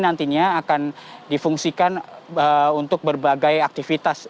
nantinya akan difungsikan untuk berbagai aktivitas